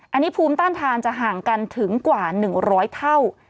อันนี้ภูมิต้านทานจะห่างกันถึงกว่า๑๐๐เท่า